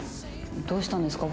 どうしたんですか？